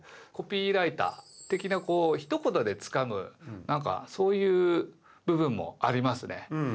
コピーライター的なこうひと言でつかむなんかそういう部分もありますね。